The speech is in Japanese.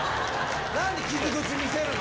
なんで傷口見せるの。